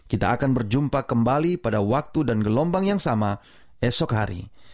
kita akan berjumpa kembali pada waktu dan gelombang yang sama esok hari